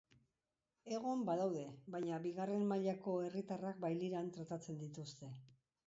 Egon badaude, baina bigarren mailako herritarrak bailiran tratatzen dituzte.